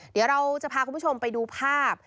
เดี๋ยวเราจะพาคุณผู้ชมไปดูภาพ